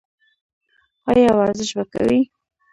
ایا ورزش به کوئ؟